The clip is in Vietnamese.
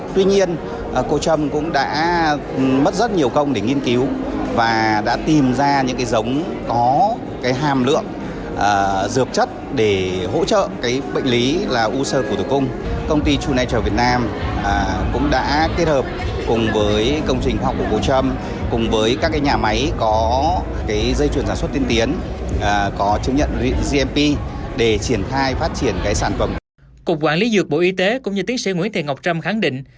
cùng quản lý dược bộ y tế cũng như tiến sĩ nguyễn thị ngọc trâm khẳng định